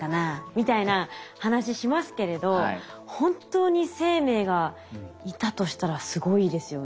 みたいな話しますけれど本当に生命がいたとしたらすごいですよね。